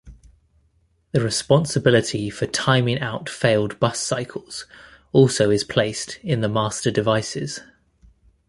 The responsibility for timing-out failed bus cycles also is placed in the master devices.